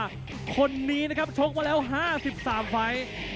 ชนะ๒เสมอ๑ล่าสุดเสมอกับแสงเทียนน้อยศรีสารวัสดิ์ออฟครับ